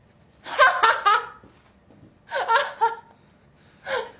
ハハハハ。